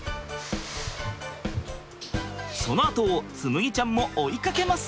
そのあとを紬ちゃんも追いかけます。